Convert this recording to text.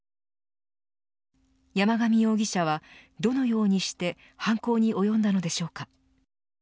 山上容疑者はどのようにして犯行に及んだのでしょうか。